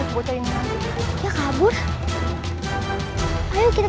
sukon ternyata busanya ini